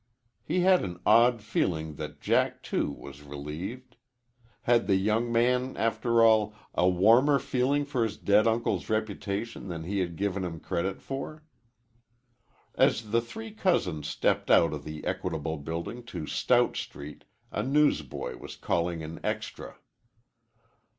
He had an odd feeling that Jack, too, was relieved. Had the young man, after all, a warmer feeling for his dead uncle's reputation than he had given him credit for? As the three cousins stepped out of the Equitable Building to Stout Street a newsboy was calling an extra.